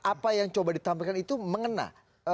apa yang coba ditampilkan itu mengenai